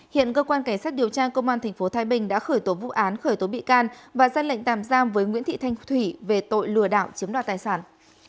hiện cơ quan cảnh sát điều tra công an tp thái bình đã khởi tố vụ án khởi tố bị can và ra lệnh tạm giam với nguyễn thị thanh thủy về tội lừa đảo chiếm đoạt tài sản